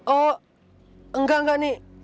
oh enggak enggak nih